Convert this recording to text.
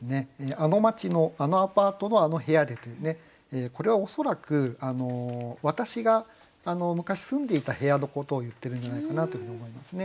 「あの街のあのアパートのあの部屋で」ってこれは恐らく私が昔住んでいた部屋のことを言ってるんじゃないかなというふうに思いますね。